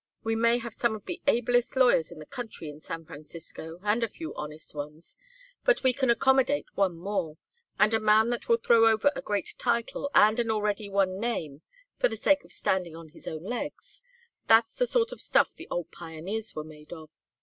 We may have some of the ablest lawyers in the country in San Francisco, and a few honest ones, but we can accommodate one more; and a man that will throw over a great title and an already won name for the sake of standing on his own legs that's the sort of stuff the old pioneers were made of.